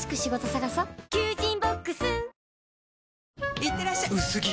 いってらっしゃ薄着！